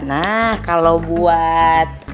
nah kalo buat